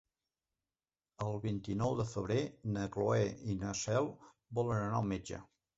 El vint-i-nou de febrer na Cloè i na Cel volen anar al metge.